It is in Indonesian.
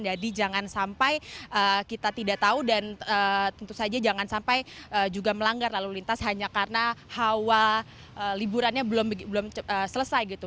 jangan sampai kita tidak tahu dan tentu saja jangan sampai juga melanggar lalu lintas hanya karena hawa liburannya belum selesai gitu